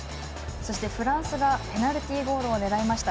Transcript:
そしてフランスがペナルティーゴールを狙いました。